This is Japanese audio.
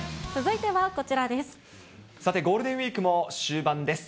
さて、ゴールデンウィークも終盤です。